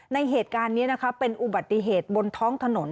ในเหตุการณ์นี้นะคะเป็นอุบัติเหตุบนท้องถนน